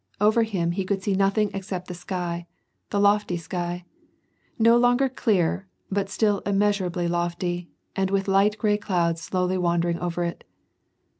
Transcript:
Over him, he could see nothing except the sky, the lofty sky ; no longer clear, but still immeasurably lofty, and with light gray clouds slowly wandering over it.